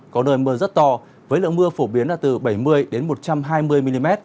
có nơi mưa rất to với lượng mưa phổ biến là từ bảy mươi một trăm hai mươi mm